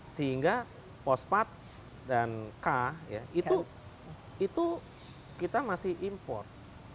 sehingga pospat dan k itu kita masih import